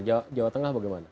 jawa tengah bagaimana